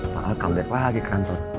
pak al comeback lagi ke kantor